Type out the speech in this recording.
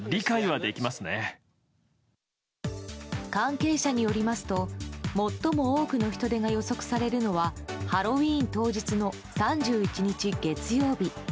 関係者によりますと最も多くの人出が予測されるのはハロウィーン当日の３１日月曜日。